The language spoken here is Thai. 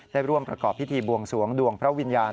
ได้ร่วมประกอบพิธีบวงสวงดวงพระวิญญาณ